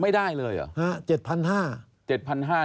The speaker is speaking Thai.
ไม่ได้เลยเหรอ